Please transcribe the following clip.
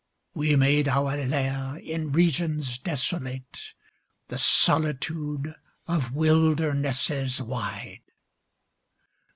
. We made our lair in regions desolate. The solitude of wildernesses wide.